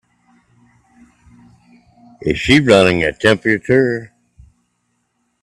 Is she running a temperature?